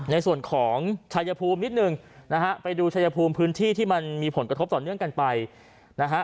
ในส่วนของชายภูมินิดหนึ่งนะฮะไปดูชายภูมิพื้นที่ที่มันมีผลกระทบต่อเนื่องกันไปนะฮะ